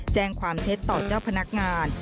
แจ้งความเท็จต่อเจ้าพนักงาน